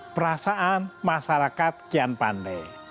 perasaan masyarakat kian pande